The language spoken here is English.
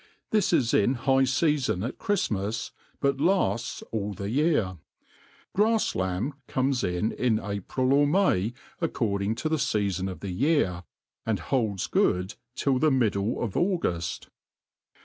This, is in high ieafoil at Chriftmas, bu( lafts all the yean Grafs laoiib comes in in April or May, according to the fe;i* loo of the year^ and holds good till the middle of Auguft.